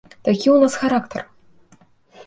Такі ў нас характар.